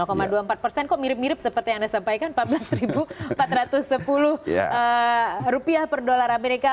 kok mirip mirip seperti yang anda sampaikan empat belas empat ratus sepuluh rupiah per dolar amerika